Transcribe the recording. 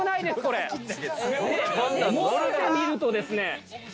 これ持ってみるとですね。